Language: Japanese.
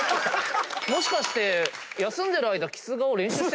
もしかして。